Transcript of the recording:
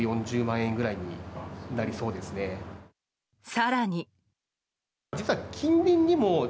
更に。